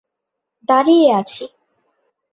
দাঁড়িয়ে আছি।